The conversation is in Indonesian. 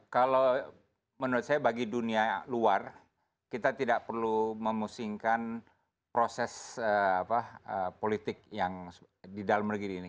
kalau menurut saya bagi dunia luar kita tidak perlu memusingkan proses politik yang di dalam negeri ini